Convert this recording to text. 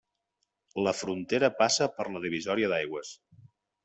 La frontera passa per la divisòria d'aigües.